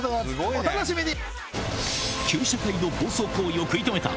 お楽しみに！